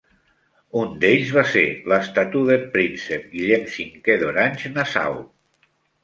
Un d'ells va ser l'estatúder-príncep Guillem V d'Orange-Nassau.